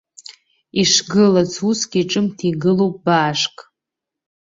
Ишгылац усгьы ҿымҭ игылоуп баашк.